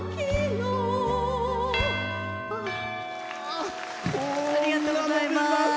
ありがとうございます。